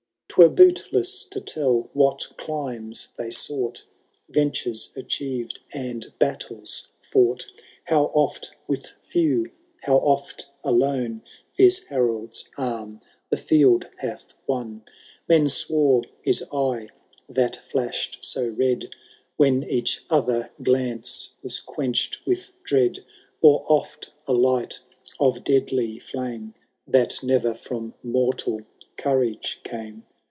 *Twere bootless to tell what climes they sough Ventures achieved, and battles fought ; How oft with few, how oft alone. Fierce Harold*8 arm the field hath won. J Canito I, HAROLD THE DAUNTLESS. i2D Men swore his eje, that flashed so red When each other glance was quenched with dread. Bore oft a light of deadly flame. That ne^er from mortal courage came.